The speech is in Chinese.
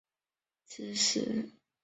好好学习所有的知识